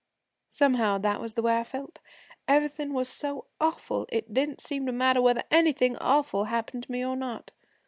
Somehow that was the way I felt. Everything was so awful it didn't seem to matter whether anything awful happened to me or not.